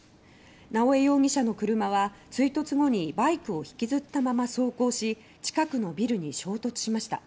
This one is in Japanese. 直江容疑者の車は追突後にバイクを引きずったまま走行し近くのビルに衝突しました。